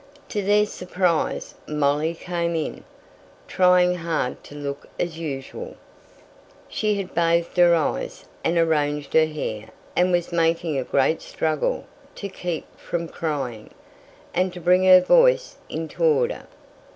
To their surprise, Molly came in, trying hard to look as usual. She had bathed her eyes, and arranged her hair; and was making a great struggle to keep from crying, and to bring her voice into order.